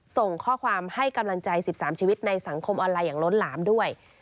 ส่งข้อความให้กำลังใจ๑๓ชีวิตในสังคมออนไลน์อย่างล้นหลามด้วย